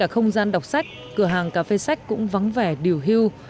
không gian đọc sách cửa hàng cà phê sách cũng vắng vẻ điều hưu